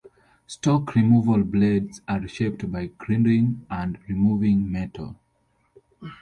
Stock removal blades are shaped by grinding and removing metal.